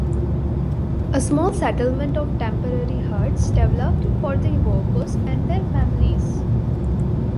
A small settlement of temporary huts developed for the workers and their families.